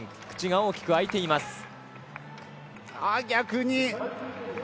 口が大きく開いています。